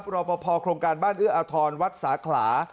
รอปภโครงการบ้านเอื้ออาทรวัดสาขลา